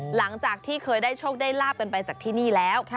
หลังจากที่เคยได้โชคได้ลาบกันไปจากที่นี่แล้ว